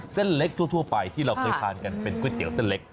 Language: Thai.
เส้นเล็กทั่วไปที่เราเคยทานกันเป็นก๋วยเตี๋ยวเส้นเล็ก